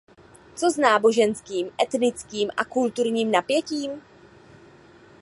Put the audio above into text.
Co s náboženským, etnickým a kulturním napětím?